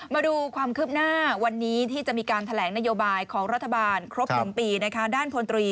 มาดูความคืบหน้าวันนี้ที่จะมีการแถลงนโยบายของรัฐบาลครบ๑ปีด้านพลตรี